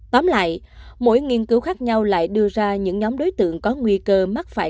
tóm lại mỗi nghiên cứu khác nhau lại đưa ra những nhóm đối tượng có nguy cơ mắc phải